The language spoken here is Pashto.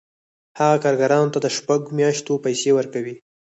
هغه کارګرانو ته د شپږو میاشتو پیسې ورکوي